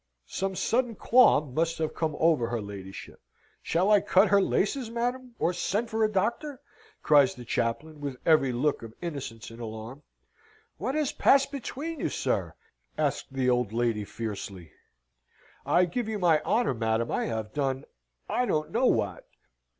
"Some sudden qualm must have come over her ladyship. Shall I cut her laces, madam? or send for a doctor?" cries the chaplain, with every look of innocence and alarm. "What has passed between you, sir?" asked the old lady, fiercely. "I give you my honour, madam, I have done I don't know what.